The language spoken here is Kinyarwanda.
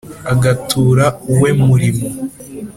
Agatura uwe murimo